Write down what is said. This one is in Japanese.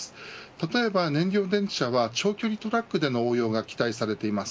例えば燃料電池車は長距離トラックでの応用が期待されています。